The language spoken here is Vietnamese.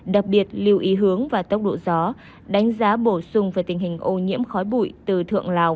đặc biệt lưu ý hướng và tốc độ gió đánh giá bổ sung về tình hình ô nhiễm khói bụi từ thượng lào